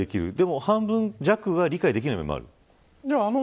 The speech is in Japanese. でも半分弱は理解できない部分があると。